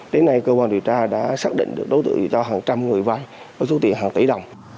đến nay cơ quan điều tra đã xác định được đối tượng cho hàng trăm người vay với số tiền hàng tỷ đồng